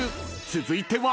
［続いては］